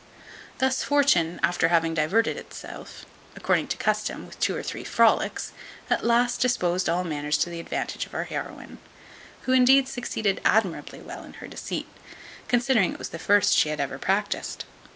Thus Fortune, after having diverted herself, according to custom, with two or three frolicks, at last disposed all matters to the advantage of our heroine; who indeed succeeded admirably well in her deceit, considering it was the first she had ever practised.